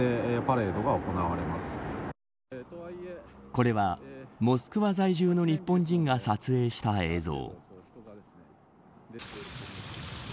これは、モスクワ在住の日本人が撮影した映像。